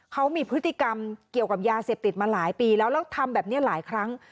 เขามีพฤติกรรมเกี่ยวกับยาเสพติดมาหลายปีแล้วแล้วทำแบบนี้หลายครั้ง